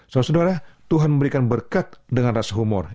saudara saudara tuhan memberikan berkat dengan rasa humor